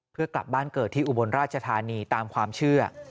เพื่อกลับบ้านเกิดที่อุบลราชธานีตามความเชื่อ